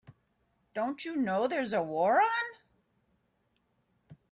Don't you know there's a war on?